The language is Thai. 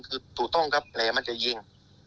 คือถูกต้องครับแผลมันจะยิง